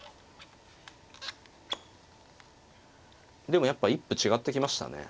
でもやっぱ一歩違ってきましたね。